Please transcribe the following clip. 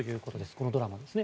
このドラマですね。